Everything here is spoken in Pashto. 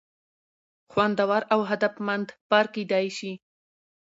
خوندور او هدفمند پر کېدى شي.